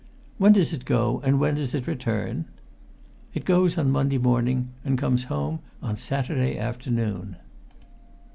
"When does it go, and when does it return?" "It goes on Monday morning and comes home on Saturday afternoon."